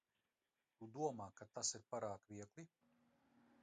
Tu domā, ka tas ir pārāk viegli?